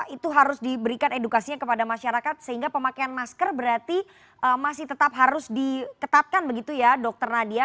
itu harus diberikan edukasinya kepada masyarakat sehingga pemakaian masker berarti masih tetap harus diketatkan begitu ya dokter nadia